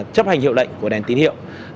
chấp hành hiệu lệnh của đèn tín hiệu